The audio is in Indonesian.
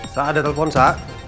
sa ada telepon sa